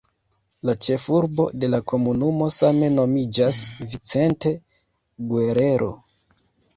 La ĉefurbo de la komunumo same nomiĝas "Vicente Guerrero".